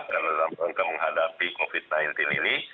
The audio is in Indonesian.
karena dalam rangka menghadapi covid sembilan belas ini